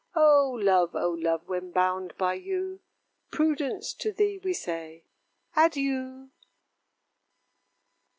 O Love! O Love! when bound by you, Prudence, to thee we say, Adieu!